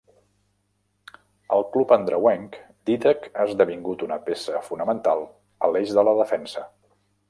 Al club andreuenc, Dídac ha esdevingut una peça fonamental a l'eix de la defensa.